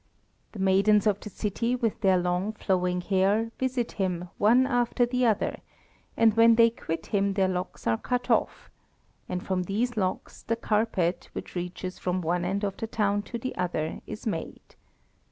The maidens of the city with their long flowing hair visit him one after the other, and when they quit him their locks are cut off, and from these locks the carpet, which reaches from one end of the town to the other, is made.